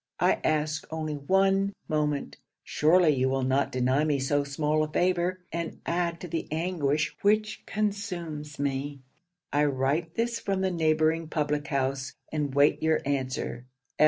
I ask only one moment; surely you will not deny me so small a favour, and add to the anguish which consumes me. I write this from the neighbouring public house, and wait your answer.